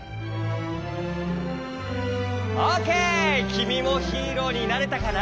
きみもヒーローになれたかな？